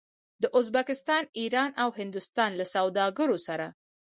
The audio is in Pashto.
د ازبکستان، ایران او هندوستان له سوداګرو سره